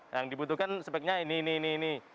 yang dibutuhkan speknya ini ini